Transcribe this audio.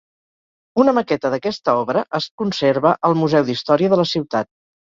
Una maqueta d'aquesta obra es conserva al Museu d'Història de la Ciutat.